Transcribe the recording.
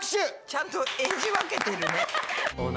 ちゃんと演じ分けてるね。